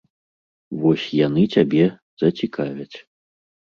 Вось яны цябе зацікавяць.